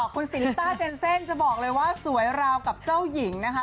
คุณสิริต้าเจนเซ่นจะบอกเลยว่าสวยราวกับเจ้าหญิงนะคะ